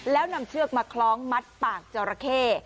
แล้วนำเชือกมาคล้องมัดปากจราเข้